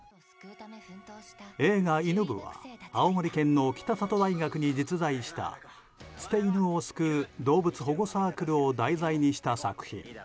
映画「犬部！」は青森県の北里大学に実在した捨て犬を救う動物保護サークルを題材にした作品。